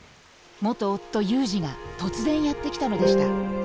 元夫祐二が突然やって来たのでした。